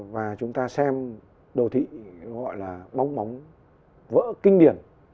và chúng ta xem đồ thị gọi là bóng bóng vỡ kinh điển